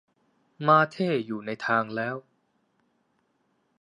มาเธ่อยู่ในทางแล้ว